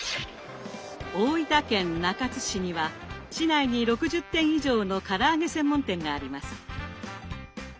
大分県中津市には市内に６０店以上のから揚げ専門店があります。